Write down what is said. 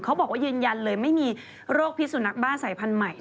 เขาบอกว่ายืนยันเลยไม่มีโรคพิสุนักบ้าสายพันธุ์ใหม่